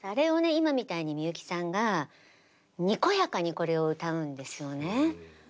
今みたいにみゆきさんがにこやかにこれを歌うんですよね。